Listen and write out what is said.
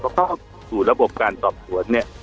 เพราะเข้าสู่ระบบการตอบตรวจเนี่ย